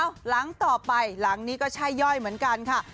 หลังต่อไปหลังนี้ก็ใช่ย่อยเหมือนกันค่ะ